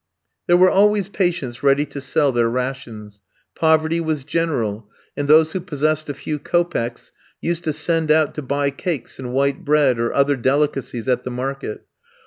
There were always patients ready to sell their rations; poverty was general, and those who possessed a few kopecks used to send out to buy cakes and white bread, or other delicacies, at the market.